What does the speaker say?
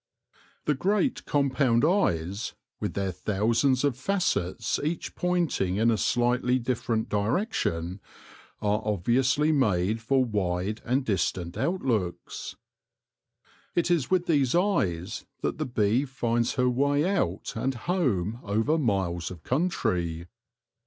The great compound eyes, with their thousands of facets each pointing in a slightly different direction, are obviously made for wide and distant outlooks. It is with these eyes that the bee finds her way out and home over miles of country.